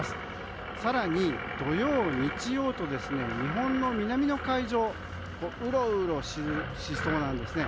更に土曜、日曜と日本の南の海上をうろうろしそうなんですね。